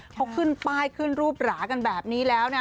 เขาขึ้นป้ายขึ้นรูปหรากันแบบนี้แล้วนะ